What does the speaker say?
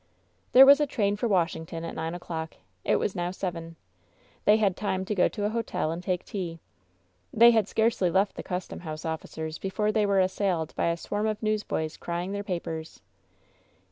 There was a train for Washington at nine o'clock. It was now seven. They had time to go to a hotel and take tea. They had scarcely left the custom house officers before WHEN SHADOWS DIE they were assailed by a swarm of newsboys crying their papers.